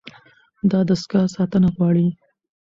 دا دستګاه ساتنه غواړي.